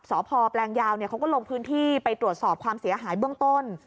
สพแปลงยาวเขาก็ลงพื้นที่ไปตรวจสอบความเสียหายเบื้องต้น